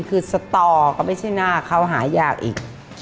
คือสตอก็ไม่ใช่หน้าเขาหายากอีก